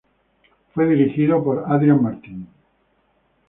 Fue dirigido por Adrian Martin.